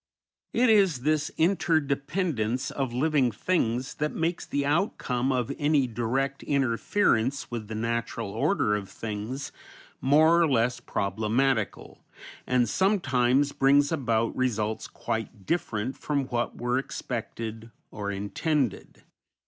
It is this inter dependence of living things that makes the outcome of any direct interference with the natural order of things more or less problematical, and sometimes brings about results quite different from what were expected or intended.